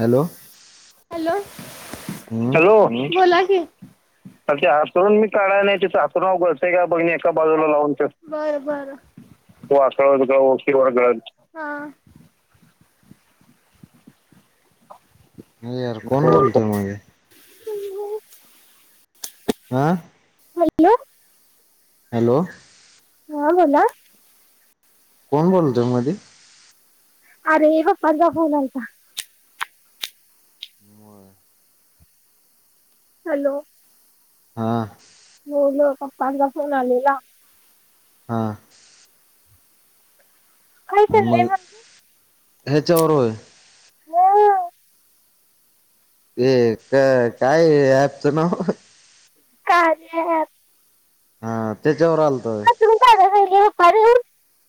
Hello hello, हम्म hello, बोला की अ ते हातरून मी काढायलय, तिथं हातरूनाव गळतंय का बघ, नी एका बाजूला लावून ठेव, बरं बरं वाकळा बिकळावरती वगळल हा नाही यार कोण बोलतोय मध्ये आ हॅलो हॅलो हा, बोला कोण बोलतोय मदी? अरे, पप्पांचा फोन आलता. म हॅलो हा होय, पप्पांचा फोन आलेला हा कय मग चाललंय ह ह्याच्यावर वय? हो ये का टाय ऍपचं नाव? कार्य ॲप हा त्याच्यावर आलतो वय [unintelligible]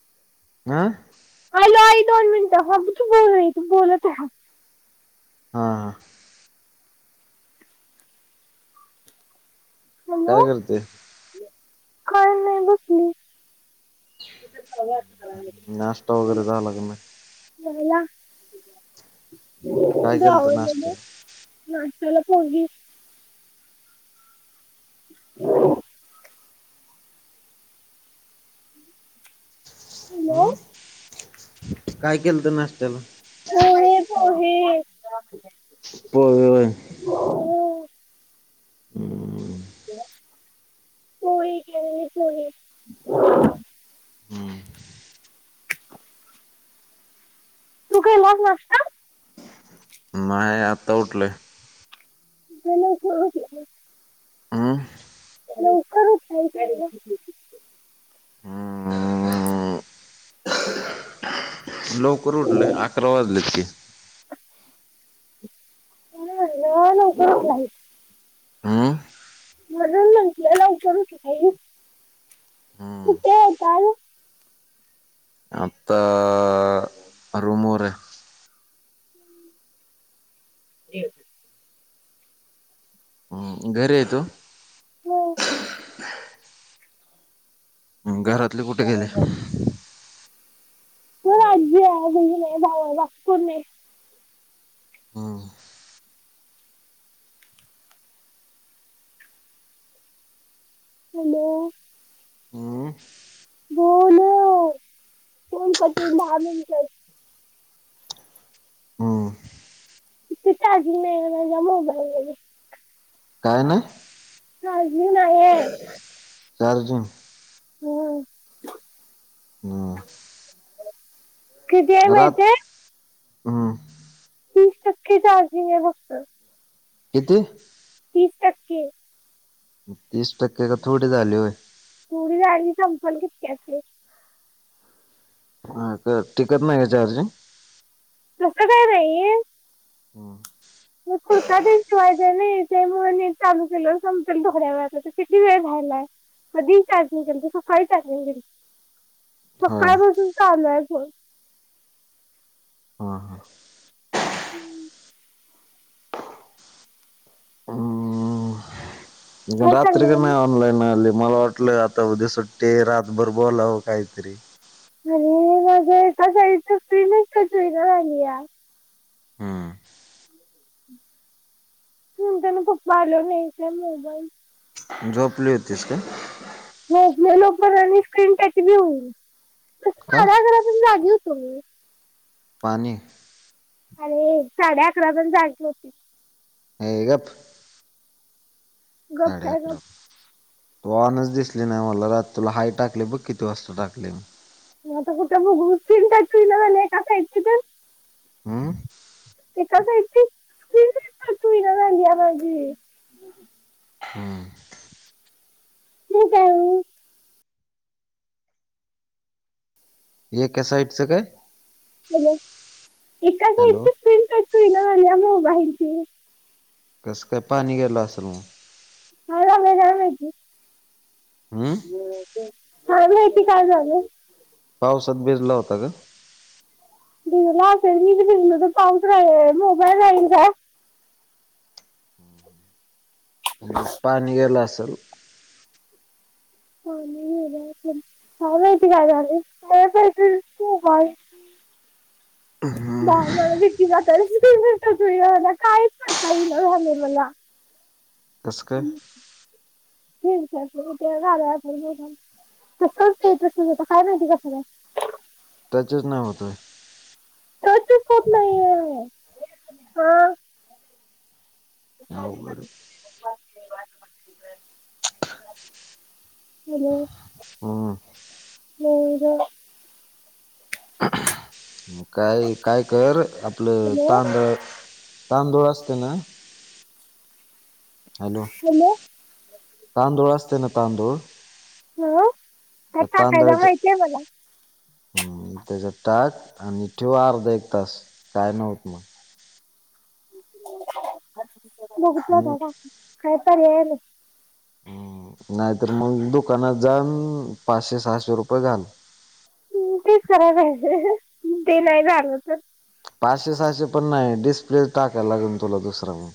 हा आ हॅलो, आई दोन मिनटं ह तू बोल आई तू बोलत रहा. हा आ हॅलो काय करते. काय नाय बसलीय नाश्ता वगैरे झाला का नाही [unintelligible] काय केलत लावला नाश्त्याला नाष्टयाला पोहे [inaudible] हॅलो अम काय केलंत नाष्ट्याला पोहे-पोहे पोहे होय. [inaudible] पोहे केलेले पोहे [inaudible] तू केलास नाष्टा नाय आत्ता उठलोय. लवकर उठला ना हम्म लवकर उठायचं जरा हम्म लवकर उठलोय अकरा वाजलेत की म्हणून म्हंटल लवकर उठलाय. हम म्हणून म्हंटल लवकर उठलायस हम्म [unintelligible] ता आ [unintelligible] घरी येतो. हो म घरातले कुठे गेले. हो आजी आहे बहीण आहे भाव याक पण नाही हम्म हॅलो बोलोल फोन करते दहा मिनिटात हम्म तिता चार्जिंग नाही ना त्याच्यामुळं जाम गोंधळलेले आहे. काय नाही चार्जिंग नाय चार्जिंग हम् हा किती आहे माहितीय हम्म तीस टक्के चार्जिंग आहे फक्त. किती? तीस टक्के. तीस टक्के का थोडे झाले होय. पुरी चार्जिंग संपल कितक्या अस अ का टिकत नाही का चार्जिंग तस काय नाहीये हम म कुर्ता दिण [inaudible] पाहिजे ना त्यामुळे नाही चालु केलं संपेल थोड्यावेळात तर किती वेळ राहिलाय मधी चार्जिंग केल त सकाळी चार्जिंग केल हा सकाळपासून चालुय आहे पण हा हा हम्म हं हं काय रात्री ग चाललंय नाही ऑनलाईन आले मला वाटलं आता उद्या सुट्टी रातभर बोलावं काहीतरी आणि मग त इथ फ्री नाही कचईना झाली या [inaudible] हम्म ह त्याने पप्पा आलो नाही का मोबाईल झोपली होतीस काय भपले लो प आणि स्क्रीन टच घऊ का माझ्या घरातून जाग [inaudible] हो- पाणी आणि साडे अकरा पण जायची होती ह गप्प गप्प काय गप तू ऑन दिसली नाही मला रात तुला हाय टाकली बघ किती वाजता टाकले- मता कुठं मन काय त ना कासा य तर हम्म [inaudible] एका साईटची त तु काली माजी [inaudible] हम्म [inaudible] म काय [inaudible] एका साइडचं काय एका हॅलो साईड झा मग कस काय पाणी गेला असेल मग आरामे आम येत [inaudible] हम्म हो ते चांलु आहे काय झालं पावसात भिजला होता का भिजला असेल मी भिजलो तर पाऊस राहील मोबाईल राहील का हम्म, पाणी गेलं असेल ह ह मती काय झा त [inaudible] बहबती हम्म, [inaudible] काही मला [inaudible] कसं काय ठीक आहे त ते झा ब [inaudible] तट हो काय माहिती कासळं [inaudible] त्याच्याच नाही होतोय खप नाही आहे हा [inaudible] अवघड आहे म हम्म म [inaudible] काय काय कर आपलं हॅलो तांदळ तांदुळ असते ना हॅलो तांदुळ असते ना तांदूळ त्या तांदळाच्या [unintelligible] हम्म त्याच्यात टाक आणि ठेव अर्ध एक तास काय नाही होत मग बघीतल हम्म का काकी कायतर व्हालय. नाहीतर मग दुकानात जाऊन पाचशे, सहाशे रुपये घाल. हम् तेच खराब आहे ते नाही झालं तर पाचशे, सहाशे पण नाही डिस्प्ले टाका लागून तुला दुसरा म.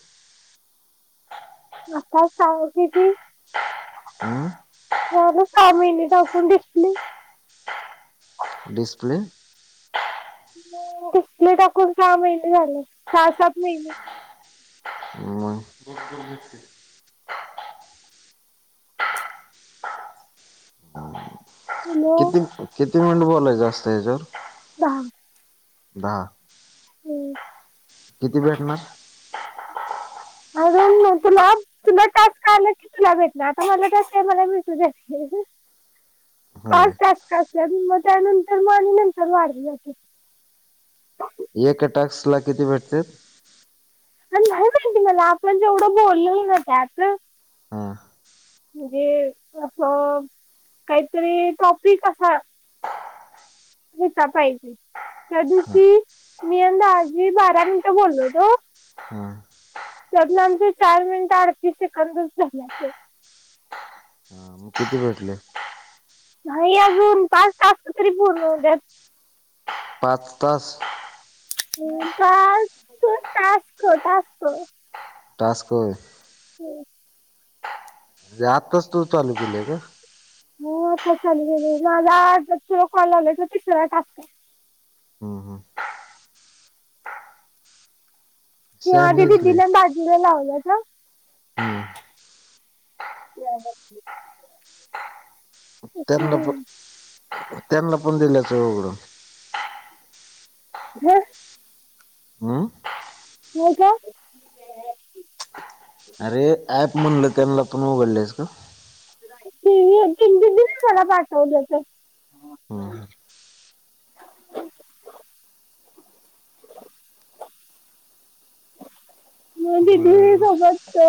आता सांगती ती [unintelligible] हम्म सहा महीने टाकून डिसप्ले डिसप्ले तिकले टाकून सहा महिने झाले सहा, सात महिने. [inaudible] म [inaudible] हॅलो किती किती मिनट बोलायच आसतय हेच्यावर? दहा दहा किती भेटणार? [inaudible] अजून म तुला, तुला टास्क आलं की तुला भेटणार आता मला टास्क आहे मला भेटूदे. [inaudible] पाच होय. टास्क अस मग त्यानंतर मग आणि नंतर वाढलीया की [inaudible] एक टास्कला किती भेटतेत? [inaudible] आणि [unintelligible] मला आपण जेवढं बोलल ना त्यात हा. म्हणजे असं काहीतरी टॉपिक असा निता ताईसनी त्या हा दिवशी मी आणि दाजी बारा मिनट बोलो होतो. हा त्यातले आमचे चार मिनिट अडतीस सेकंदच झाल्याते. हा म किती भटले? [inaudible] नाही अजून पाच टास्क तरी पूर्ण होउद्यात. पाच तास पाच टास्क, टास्क. टास्क होय. [inaudible] म्हणजे आताच तू चालू केलय का? होय आता चालू झालय माझा तुला कॉल झाल्याशिवाय तिसरा टास्क हाय. हम्म हम्म किंवा शहाणी ते दिदीला बाजूला लावलं तर हा. [inaudible] प्रियंका दिसली. [inaudible] त्यांना पण [unintelligible] त्यांना पण दिल्याचं उघडून रे [inaudible] हम्म. हो का. [inaudible] अरे ऍप म्हणलं त्यांना पण उघडलंयस का? तिने तिनच मला पाठवलेत. ह, ह. [inaudible] मग दिदी बर बर. सोबत अ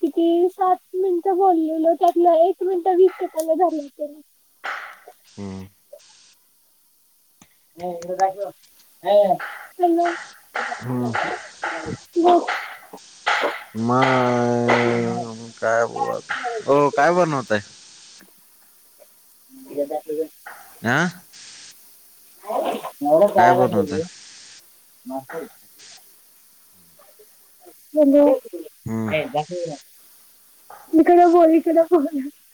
किती सात मिनिट बोललेलो त्यातलं एक वीस मिनट, वीस सेकंद धरलेत त्यांनी [inaudible] हम्. [inaudible] ए राघव ह हॅलो. [inaudible] हम्म म ह काय ब हो काय बणवतय आ एवढं खायला खाऊ बनवताय? दे नाष्टा हम्म ए बस इकडं कडे होळी [unintelligible]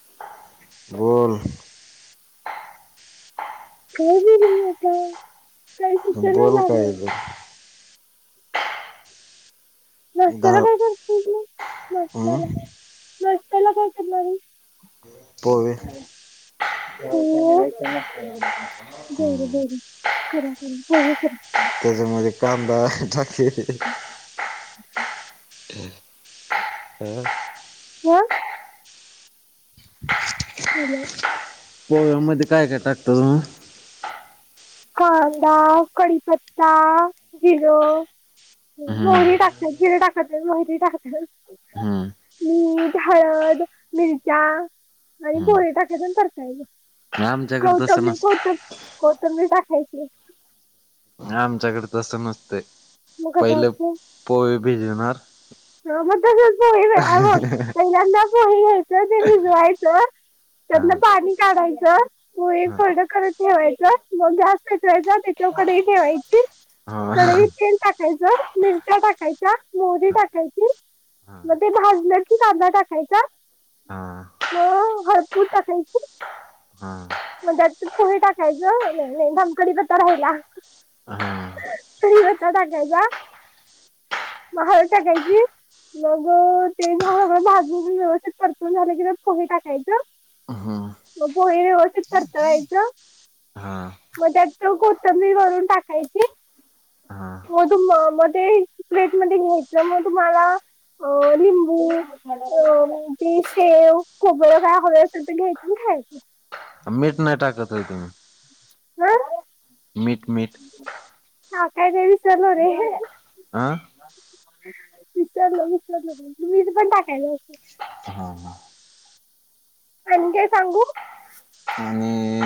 बोल काय बोलू मी आता काय सुचना बोल काय झालंय नाशत्याला डाळ काय करतोस मग हम्म नाशत्याला नाशत्याला काय करणार आहेस? पोहे [unintelligible] बर हम्म बर करा तुम्ही पोहे करा त्याच्यामध्ये कांदा टाक अ हो हॅलो पोह्यामध्येध्ये काय काय टाकता तुम्ही? कांदा, कढीपत्ता, जिरं हम्म मोहरी टाकतात, जिरं टाकत नाहीत, मोहिरी टाकतात. हम्म मीठ, हळद, मिरच्या आणि पोहे हम्म टाकायचं आणि परतायचं. आमच्याकडे तसं कौतंबी नसतं कौतम कौतंबीर टाकायची. आमच्याकडे तसं नसतंय मग कसं पहिले असते पोहे भिजिवणार ह मग तसच पोहे हे बघ मग पहिल्यांदा पोहे घ्यायचं ते भिजवायचं हा त्यातन पाणी काढायचं, पोहे हा कोरड करत ठेवायचं मग गॅस पेटवायचा तेच्यावर कढई ठेवायची. हा कडईत तेल टाकायचं, मिरच्या टाकायच्या, मोहरी टाकायची मग ते भाजलं की कांदा टाकायचा मग कूट टाकायची मग त्यात पोहे टाक याचं नाही नाही थांब कढीपत्ता राहिला. हू कडीपत्ता टाकायचा, मग हळद टाकायची. मग ते सगळं भाजून व्यवस्थित परतवून झालं की पोहे टाकायचं ह म पोहे व्यवस्थित परतवायचं. मग त्यात त कोथंबीर वरून टाकायची. मग तु मग ते प्लेट मध्ये घ्यायच मग तुम्हांला अ लिंबू, अ ते शेव, खोबरं काय हवे असेल तर घ्यायचं खायचं मीठ नाही टाकत होय तुम्ही हम मीठ मीठ टाकायचं विसरलं रे आं विसरलं विसरलं ते मीठ पण टाकायला असतय. हा आणि काय सांगू आणि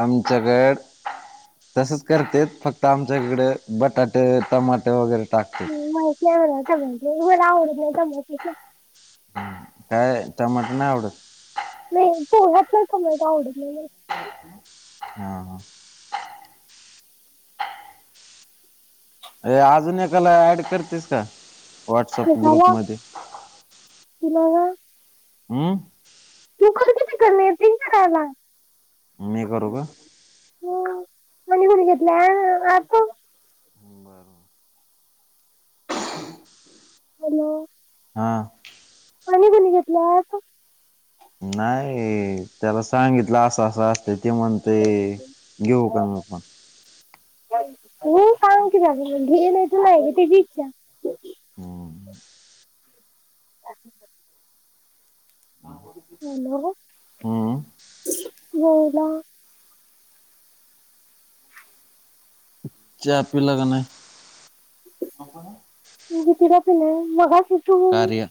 आमच्याकड तसच करते फक्त आमच्या इकडे बटाट, टमाट, वगैरे टाकते माहिताय मला टोमॅटो मला आवडत नाही टॉमेटो काय टमाट नाही आवडत नाही पोह्यात तर टॉमेटो आवडत नाही. हा ह अ अजून एकाला ऍड करतेस का व्हॉटसअप ग्रुप मध्ये कुणाला हुं तू कर कि तिकडन येतय काय बाय मी करू का हो आणि कोण घेतला आता ह् बरोबर हॅलो हा आणी कोणी घेतलाय आत नाही त्याला सांगितलं असं असं ते म्हणते घेऊ का मग हो सांग की मग घे नाही त नाही घ्यायचं हम्म अ हॅलो हम्म नाहीला च्छा पिला का नाय भीती दाखवली ना मग कार्या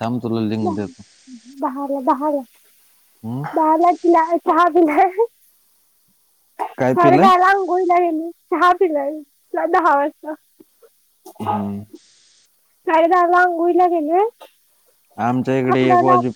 थांब तुला लिंक देतो बाहाड बाहाड हम्म बाहेला पला चहा पला काय पिलाय हरघाला अंंगोळी म चहा पिलाय तला दहा वाजता हम्म साडेदालाअंगोळीला गेल्या आमच्या इकडे एक वाजून